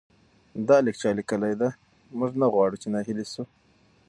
دا لیک چا لیکلی دی؟ موږ نه غواړو چې ناهیلي سو.